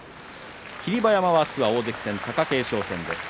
霧馬山は大関戦貴景勝戦です。